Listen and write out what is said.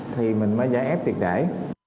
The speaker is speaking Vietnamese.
thì mình mới giải ép tuyệt đẩy